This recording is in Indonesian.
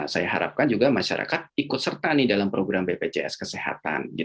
saya harapkan juga masyarakat ikut serta dalam program bpjs kesehatan